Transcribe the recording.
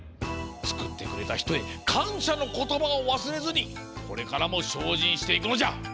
つくってくれたひとへかんしゃのことばをわすれずにこれからもしょうじんしていくのじゃ！